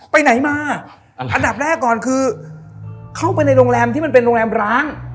ไปไหนมาอันดับแรกก่อนคือเข้าไปในโรงแรมที่มันเป็นโรงแรมร้าง